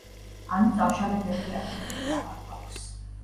ანუ წავშალეთ ერთი ათეული, აღარ გვაქვს.